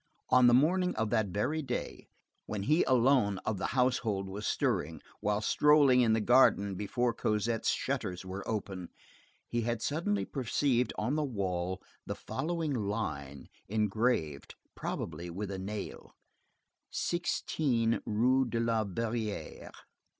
On the morning of that very day, when he alone of the household was stirring, while strolling in the garden before Cosette's shutters were open, he had suddenly perceived on the wall, the following line, engraved, probably with a nail:— 16 Rue de la Verrerie.